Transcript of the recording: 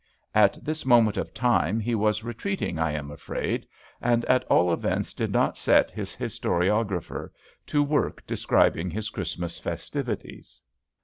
At this moment of time he was retreating I am afraid, and at all events did not set his historiographer to work describing his Christmas festivities.